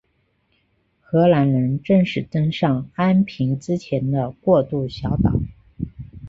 荷兰人正式登上安平之前的过渡小岛。